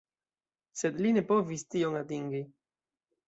Sed li ne povis tion atingi.